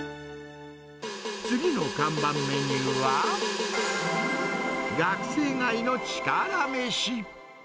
次の看板メニューは、学生街のチカラめし。